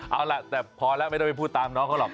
เอาล่ะแต่พอแล้วไม่ต้องไปพูดตามน้องเขาหรอก